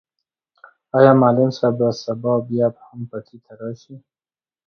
آیا معلم صاحب به سبا بیا هم پټي ته راشي؟